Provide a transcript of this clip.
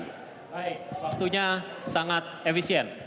baik waktunya sangat efisien